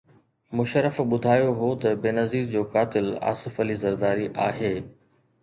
مشرف ٻڌايو هو ته بينظير جو قاتل آصف علي زرداري آهي.